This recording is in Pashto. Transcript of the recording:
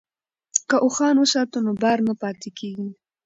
که اوښان وساتو نو بار نه پاتې کیږي.